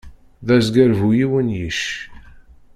D azger bu yiwen yicc.